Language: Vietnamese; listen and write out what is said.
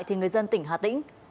thì người dân tỉnh hà tĩnh